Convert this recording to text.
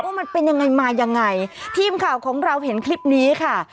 มันเป็นยังไงมายังไงทีมข่าวของเราเห็นคลิปนี้ค่ะ